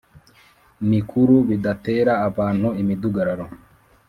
mikuru bidatera abantu imidugararo